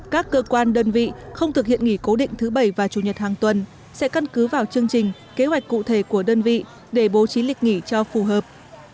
các cơ quan đơn vị không thực hiện nghỉ cố định thứ bảy và chủ nhật hàng tuần sẽ cân cứ vào chương trình kế hoạch cụ thể của đơn vị để bố trí lịch nghỉ cho phù hợp